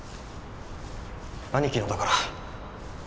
兄貴のだから